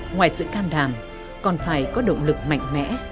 ngoài sự can đảm còn phải có động lực mạnh mẽ